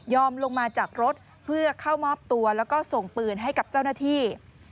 ลงมาจากรถเพื่อเข้ามอบตัวแล้วก็ส่งปืนให้กับเจ้าหน้าที่